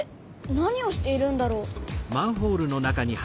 何をしているんだろう？